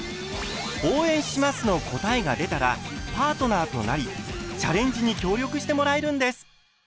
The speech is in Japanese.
「応援します」の答えが出たらパートナーとなりチャレンジに協力してもらえるんです。